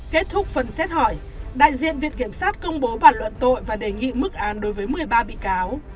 kết thúc phần xét hỏi đại diện viện kiểm sát công bố bản luận tội và đề nghị mức án đối với một mươi ba bị cáo